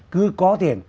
cứ có tiền